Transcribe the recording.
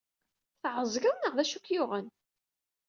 Tɛeẓged neɣ d acu ay k-yuɣen?